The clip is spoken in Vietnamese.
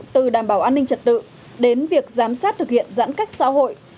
từ đảm bảo an ninh trật tự đến việc giám sát thực hiện giãn cách xã hội